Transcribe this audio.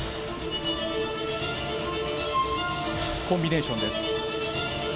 コンビネーションです。